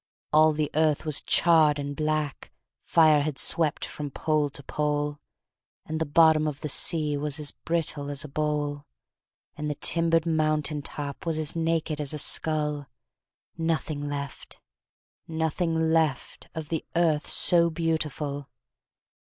All the earth was charred and black, Fire had swept from pole to pole; And the bottom of the sea Was as brittle as a bowl; And the timbered mountain top Was as naked as a skull, Nothing left, nothing left, Of the Earth so beautiful!